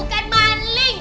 kan bukan maling